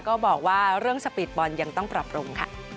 ก็บอกเรื่องวีสิมศน้ำยังก็ต้องปรับลง